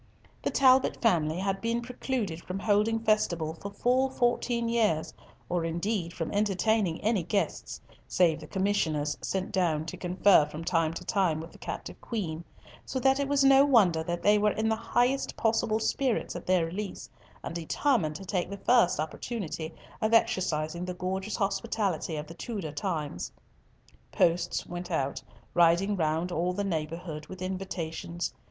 The Talbot family had been precluded from holding festival for full fourteen years, or indeed from entertaining any guests, save the Commissioners sent down to confer from time to time with the captive Queen, so that it was no wonder that they were in the highest possible spirits at their release, and determined to take the first opportunity of exercising the gorgeous hospitality of the Tudor times. Posts went out, riding round all the neighbourhood with invitations.